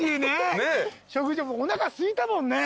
おなかすいたもんね。